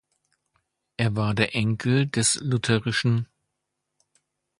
Er war der Enkel des luth.